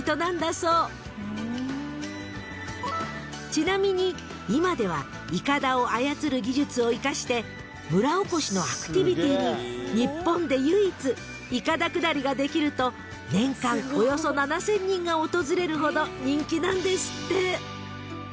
［ちなみに今では筏を操る技術を生かして村おこしのアクティビティに日本で唯一筏下りができると年間およそ７，０００人が訪れるほど人気なんですって］